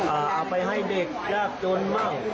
เอาไปให้เด็กได้จนมาก